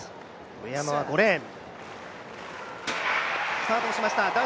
上山は５レーン。